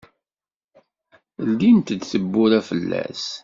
Ldint-d tewwura fell-as.